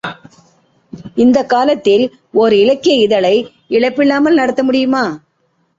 இந்தக் காலத்தில் ஒர் இலக்கிய இதழை இழப்பில்லாமல் நடத்த முடியுமா?